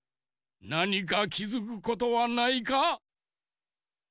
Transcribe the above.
なにかきづくことはないか？